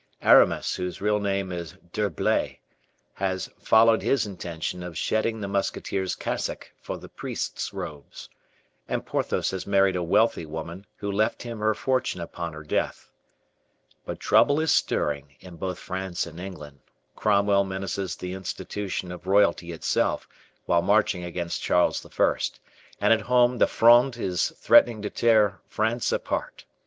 Aramis, whose real name is D'Herblay, has followed his intention of shedding the musketeer's cassock for the priest's robes, and Porthos has married a wealthy woman, who left him her fortune upon her death. But trouble is stirring in both France and England. Cromwell menaces the institution of royalty itself while marching against Charles I, and at home the Fronde is threatening to tear France apart.